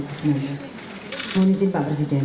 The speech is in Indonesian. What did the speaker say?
terima kasih pak presiden